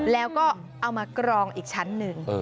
แล้วก็เอามากรองอีกชั้นหนึ่ง